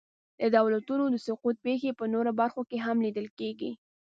د دولتونو د سقوط پېښې په نورو برخو کې هم لیدل کېږي.